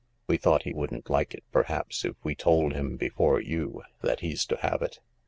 We thought he wouldn't like it perhaps if we told him before you that he's to have it.